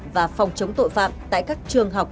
và phòng chống tội phạm tại các trường học